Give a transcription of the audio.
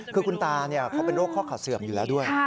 คือคุณตาเขาเป็นโรคข้อขาดเสื่อมอยู่แล้วด้วย